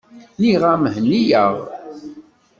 Nniɣ-am henni-aneɣ.